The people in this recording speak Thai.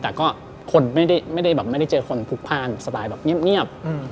แต่ก็ไม่ได้เจอคนผูกพลาญสไตล์แบบเงียบ